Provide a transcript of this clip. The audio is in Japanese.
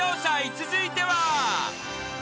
続いては］